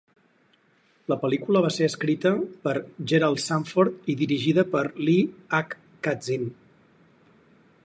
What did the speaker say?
La pel·lícula va ser escrita per Gerald Sanford i dirigida per Lee H. Katzin.